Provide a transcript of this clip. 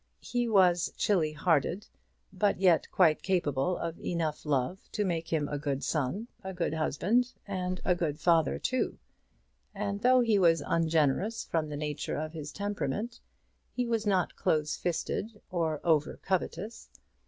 He was chilly hearted, but yet quite capable of enough love to make him a good son, a good husband, and a good father too. And though he was ungenerous from the nature of his temperament, he was not close fisted or over covetous.